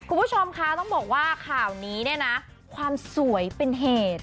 คุณผู้ชมคะต้องบอกว่าข่าวนี้เนี่ยนะความสวยเป็นเหตุ